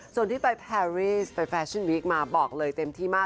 ส่วนที่ไปแพรรี่ไปแฟชั่นวีคมาบอกเลยเต็มที่มาก